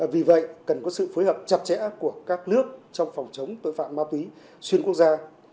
vì vậy cần có sự phối hợp chặt chẽ của các nước trong phòng chống tội phạm ma túy xuyên quốc gia